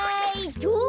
とう！